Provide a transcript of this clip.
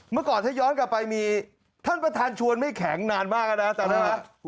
เมื่อก่อนถ้าย้อนกลับไปมีท่านประธานชวนไม่แข็งนานมากแล้วนะอาจารย์ได้ไหม